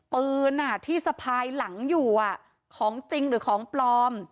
ปืนที่สะพายหลังอยู่ของจริงหรือของปลอม